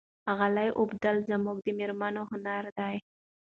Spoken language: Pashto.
غالۍ اوبدل زموږ د مېرمنو هنر دی.